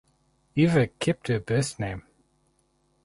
Eva kept her birth name.